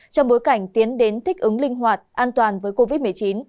trong bối cảnh tiến đến thích ứng linh hoạt an toàn với covid một mươi chín